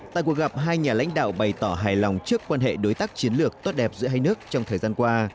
tại cuộc gặp hai nhà lãnh đạo bày tỏ hài lòng trước quan hệ đối tác chiến lược tốt đẹp giữa hai nước trong thời gian qua